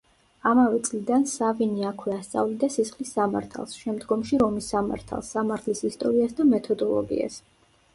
ამავე წლიდან სავინი აქვე ასწავლიდა სისხლის სამართალს, შემდგომში რომის სამართალს, სამართლის ისტორიას და მეთოდოლოგიას.